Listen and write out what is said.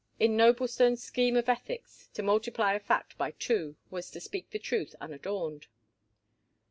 In Noblestone's scheme of ethics, to multiply a fact by two was to speak the truth unadorned.